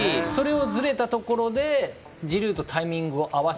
ずれたところで、ジルーとタイミングを合わす。